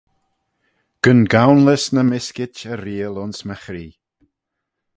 Gyn goanlys ny myskit y reayll ayns my chree.